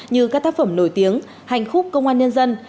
như các tác phẩm nổi tiếng hành khúc công an nhân dân